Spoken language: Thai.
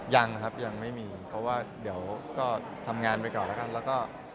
ยังครับยังไม่มีเพราะว่าเดี๋ยวก็ทำงานไปก่อนแล้วกันแล้วก็